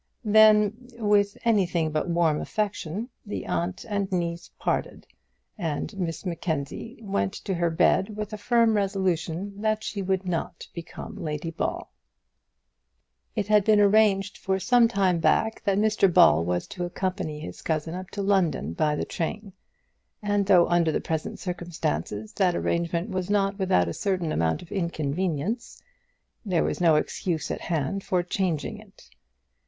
Then, with anything but warm affection, the aunt and niece parted, and Miss Mackenzie went to her bed with a firm resolution that she would not become Lady Ball. It had been arranged for some time back that Mr Ball was to accompany his cousin up to London by the train; and though under the present circumstances that arrangement was not without a certain amount of inconvenience, there was no excuse at hand for changing it.